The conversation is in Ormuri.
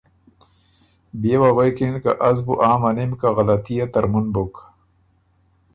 بيې وه غوېکِن که ”از بُو آ منِم که غلطي يې ترمُن بُک